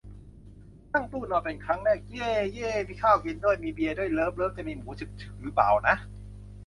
นั่งตู้นอนเป็นครั้งแรก เย่ เย่ มีข้าวกินด้วย มีเบียร์ด้วย เลิฟเลิฟ จะมีหมูฉึกฉึกป่าวนะ